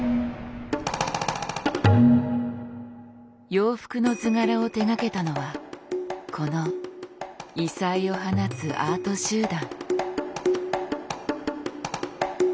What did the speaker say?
洋服の図柄を手がけたのはこの異彩を放つアート集団。